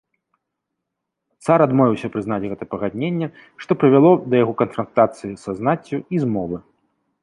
Цар адмовіўся прызнаць гэта пагадненне, што прывяло да яго канфрантацыі са знаццю і змовы.